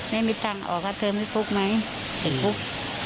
แม่มีตังค์ออกเขาเทอมให้ปุ๊บไหมให้ปุ๊บ